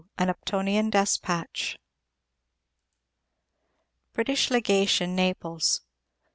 AN UPTONIAN DESPATCH British Legation, Naples.